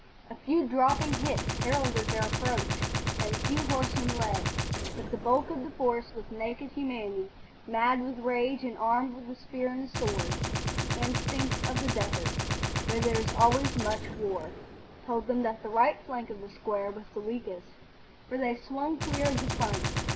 A few dropping shots heralded their approach, and a few horsemen led, but the bulk of the force was naked humanity, mad with rage, and armed with the spear and the sword. The instinct of the desert, where there is always much war, told them that the right flank of the square was the weakest, for they swung clear of the front.